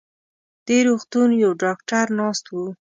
دې روغتون يو ډاکټر ناست و.